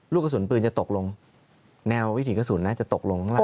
ลูกกระสุนปืนจะตกลงแนววิถีกระสุนน่าจะตกลงข้างล่าง